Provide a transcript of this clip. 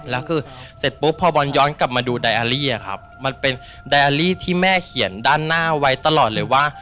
แล้วคือเสร็จปุ๊บพอบอลย้อนกลับมาดูไดอารี่อะครับมันเป็นไดอารี่ที่แม่เขียนด้านหน้าไว้ตลอดเลยว่า